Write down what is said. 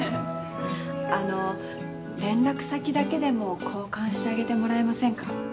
あの連絡先だけでも交換してあげてもらえませんか？